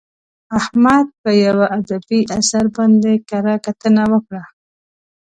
احمد په یوه ادبي اثر باندې کره کتنه وکړه.